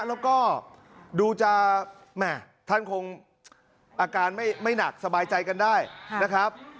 แล้วก็ดูจะแหม่ท่านคงอาการไม่หนักสบายใจกันได้นะครับ